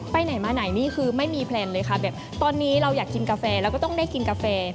ไปไหนมาไหนนี่คือไม่มีแพลนเลยค่ะแบบตอนนี้เราอยากกินกาแฟแล้วก็ต้องได้กินกาแฟ